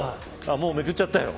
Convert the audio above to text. もうめくっちゃったよ。